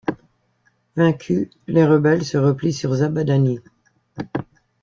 Vaincus, les rebelles se replient sur Zabadani.